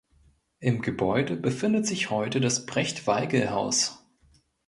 Im Gebäude befindet sich heute das Brecht-Weigel-Haus.